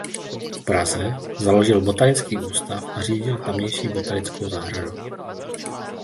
V Praze založil Botanický ústav a řídil tamější botanickou zahradu.